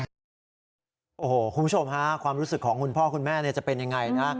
คุณผู้ชมฮะความรู้สึกของคุณพ่อคุณแม่จะเป็นยังไงนะ